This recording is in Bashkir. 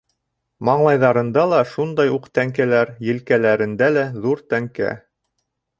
Маңлайҙарында ла шундай уҡ тәңкәләр, елкәләрендә - ҙур тәңкә.